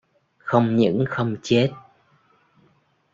không những không chết